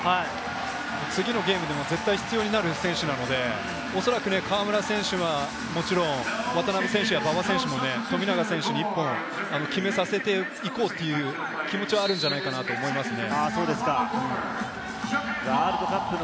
次のゲームでも絶対必要になる選手なので、おそらく河村選手はもちろん、渡邊選手や馬場選手も富永選手に１本決めさせていこうという気持ちはあるんじゃないかと思いますね。